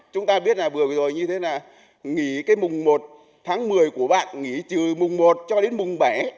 chúng ta biết là vừa rồi như thế là nghỉ cái mùng một tháng một mươi của bạn nghỉ từ mùng một cho đến mùng bảy